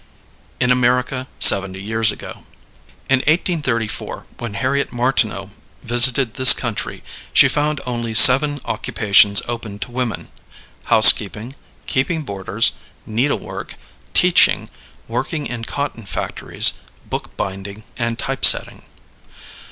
IN AMERICA SEVENTY YEARS AGO. In 1834, when Harriet Martineau visited this country, she found only seven occupations open to women housekeeping, keeping boarders, needlework, teaching, working in cotton factories, bookbinding, and typesetting.